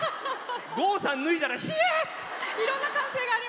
郷さん、脱いだらヒャー！